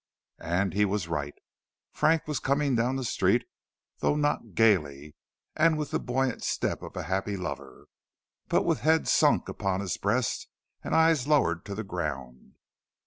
And he was right. Frank was coming down the street, not gayly and with the buoyant step of a happy lover, but with head sunk upon his breast and eyes lowered to the ground.